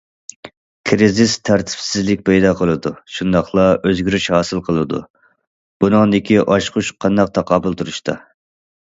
كىرىزىس تەرتىپسىزلىك پەيدا قىلىدۇ، شۇنداقلا ئۆزگىرىش ھاسىل قىلىدۇ، بۇنىڭدىكى ئاچقۇچ قانداق تاقابىل تۇرۇشتا.